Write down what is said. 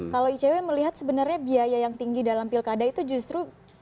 kalau icw melihat sebenarnya biaya yang tinggi dalam pilkada itu justru